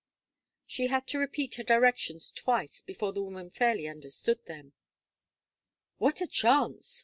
She had to repeat her directions twice before the woman fairly understood them. "What a chance!"